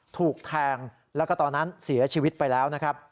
ถูกแทงแล้วก็ตอนนั้นเสียชีวิตไปแล้วนะครับ